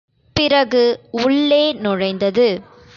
பிறகு, உள்ளே நுழைந்தது.